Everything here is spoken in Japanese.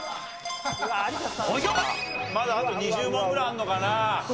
まだあと２０問ぐらいあるのかな。